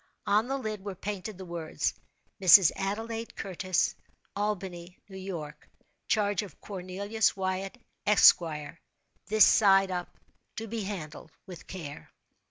On the lid were painted the words—"Mrs. Adelaide Curtis, Albany, New York. Charge of Cornelius Wyatt, Esq. This side up. To be handled with care."